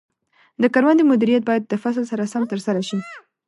د کروندې مدیریت باید د فصل سره سم ترسره شي.